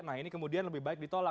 nah ini kemudian lebih baik ditolak